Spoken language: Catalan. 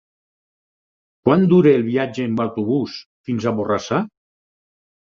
Quant dura el viatge en autobús fins a Borrassà?